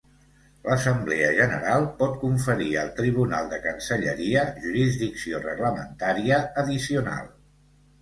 L'Assemblea General pot conferir al Tribunal de Cancelleria jurisdicció reglamentària addicional.